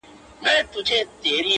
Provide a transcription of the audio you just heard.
ماتول یې ښکلي لوښي او چاینکي؛